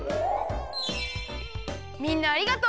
みんなありがとう！